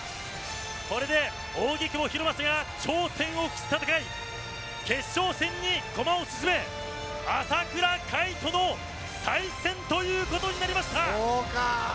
これで扇久保博正が頂点を期す戦い決勝戦に駒を進め朝倉海との再戦となりました！